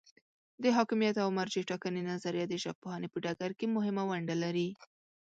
د حاکمیت او مرجع ټاکنې نظریه د ژبپوهنې په ډګر کې مهمه ونډه لري.